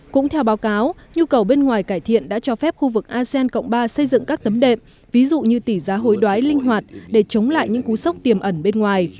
cũng theo báo cáo nhu cầu bên ngoài cải thiện đã cho phép khu vực asean cộng ba xây dựng các tấm đệm ví dụ như tỷ giá hối đoái linh hoạt để chống lại những cú sốc tiềm ẩn bên ngoài